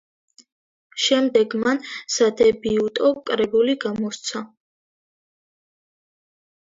შემდეგ მან სადებიუტო კრებული გამოსცა.